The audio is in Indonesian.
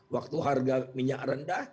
waktu harga minyak rendah